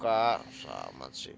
kak samad sih